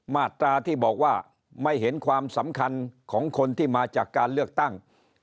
มาตราที่บอกว่าไม่เห็นความสำคัญของคนที่มาจากการเลือกตั้ง